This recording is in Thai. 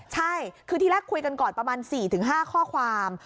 ใช่คือที่แรกคุยกันก่อนประมาณ๔๕ข้อความ